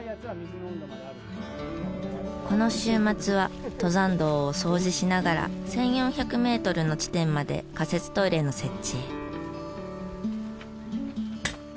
この週末は登山道を掃除しながら１４００メートルの地点まで仮設トイレの設置へ。